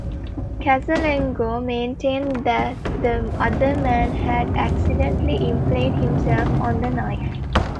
Casalengo maintained that the other man had accidentally impaled himself on the knife.